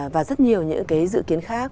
và rất nhiều những cái dự kiến khác